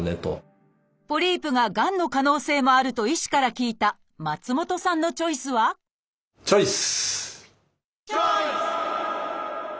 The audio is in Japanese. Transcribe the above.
ポリープががんの可能性もあると医師から聞いた松本さんのチョイスはチョイス！